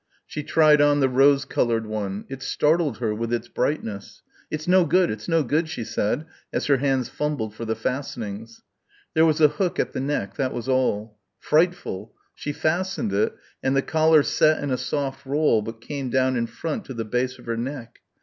She tried on the rose coloured one. It startled her with its brightness.... "It's no good, it's no good," she said, as her hands fumbled for the fastenings. There was a hook at the neck; that was all. Frightful ... she fastened it, and the collar set in a soft roll but came down in front to the base of her neck.